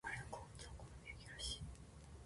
彼の好物はお好み焼きらしい。